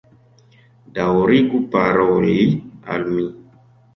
Daŭrigu paroli al mi